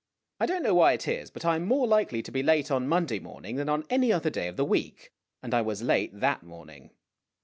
I don't know why it is, but I am more likely to be late on Monday morning than on any other day of the week, and I was late that morning.